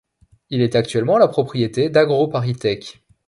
Il est actuellement la propriété d'AgroParisTech.